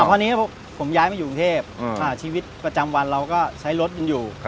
พอนี้ผมย้ายมาอยู่กรุงเทพชีวิตประจำวันเราก็ใช้รถกันอยู่